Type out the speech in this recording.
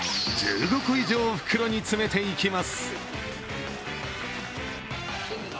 １５個以上、袋に詰めていきます。